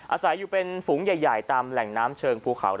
อาศัยอยู่เป็นฝูงใหญ่ตามแหล่งน้ำเชิงภูเขา